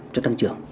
cho tăng trưởng